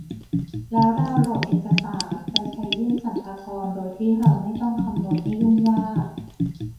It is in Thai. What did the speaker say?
แล้วดาวน์โหลดเอกสารไปใช้ยื่นสรรพากรโดยที่เราไม่ต้องคำนวณให้ยุ่งยาก